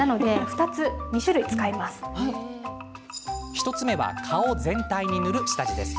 １つ目は、顔全体に塗る下地です。